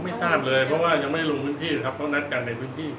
ไม่ทราบเลยเพราะว่ายังไม่ลงพื้นที่นะครับเขานัดกันในพื้นที่